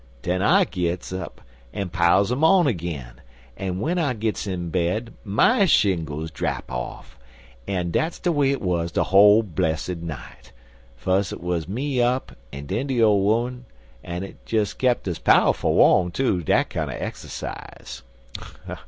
Den up I gits an' piles 'em on agin, an' w'en I gits in bed my shingles draps off, an' dat's de way it wuz de whole blessid night. Fus' it wuz me up an' den de ole 'oman, an' it kep' us pow'ful warm, too, dat kinder exercise.